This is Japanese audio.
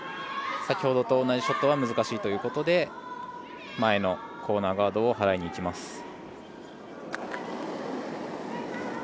先ほどと同じショットはむずかしいということで前のコーナーガードを払いにいきます。